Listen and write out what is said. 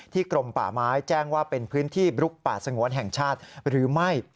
กรมป่าไม้แจ้งว่าเป็นพื้นที่บลุกป่าสงวนแห่งชาติหรือไม่